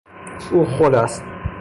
او خل است.